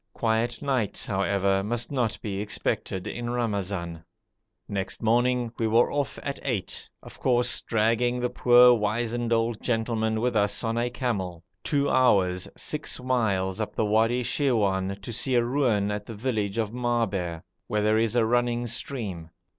Quiet nights, however, must not be expected in Ramazan. Next morning we were off at eight, of course dragging the poor wizened old gentleman with us on a camel, two hours (6 miles) up the Wadi Shirwan to see a ruin at the village of Maaber, where there is a running stream.